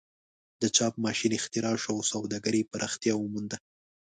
د چاپ ماشین اختراع شو او سوداګري پراختیا ومونده.